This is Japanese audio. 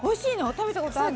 食べたことあるの？